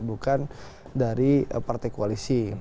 bukan dari partai koalisi